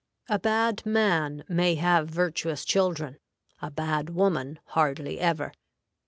A bad man may have virtuous children, a bad woman hardly ever.